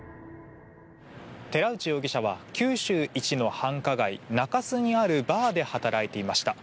寺内容疑者は九州一の繁華街中洲にあるバーで働いていました。